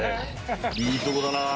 いいとこだな。